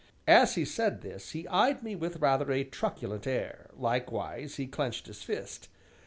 As he said this he eyed me with rather a truculent air, likewise he clenched his fist.